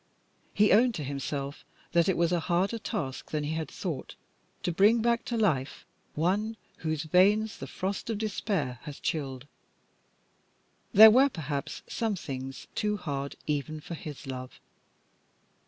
He owned to himself that it was a harder task than he had thought to bring back to life one whose veins the frost of despair has chilled. There were, perhaps, some things too hard even for his love.